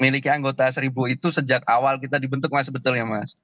memiliki anggota seribu itu sejak awal kita dibentuk mas sebetulnya mas